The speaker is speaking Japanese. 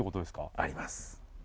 あります。